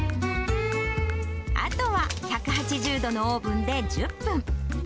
あとは１８０度のオーブンで１０分。